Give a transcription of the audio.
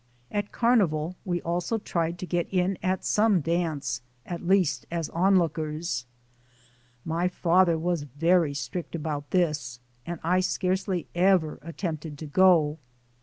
At Carnival, we also tried to get in at some dance, at least as onlookers. My father was very strict about this and I scarcely ever attempted to go.